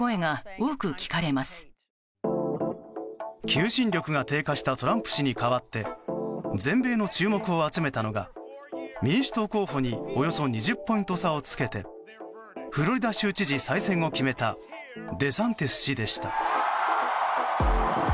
求心力が低下したトランプ氏に代わって全米の注目を集めたのが民主党候補におよそ２０ポイント差をつけてフロリダ州知事再選を決めたデサンティス氏でした。